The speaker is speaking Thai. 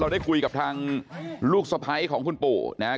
ได้คุยกับทางลูกสะพ้ายของคุณปู่นะครับ